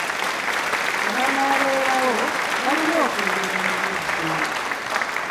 Abanaabeerawo balina okwogera mu budde.